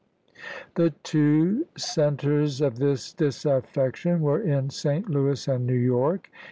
The two centers of this disaffection were in St. Louis and New York.